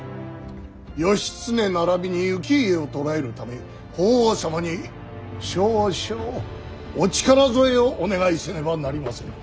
義経ならびに行家を捕らえるため法皇様に少々お力添えをお願いせねばなりませぬ。